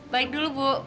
balik dulu bu